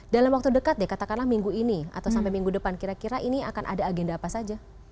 dalam waktu dekat deh katakanlah minggu ini atau sampai minggu depan kira kira ini akan ada agenda apa saja